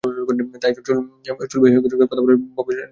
তাই একজন চুল বিশেষজ্ঞের সঙ্গে কথা বলে চুলের নিয়মিত যত্ন নেওয়া প্রয়োজন।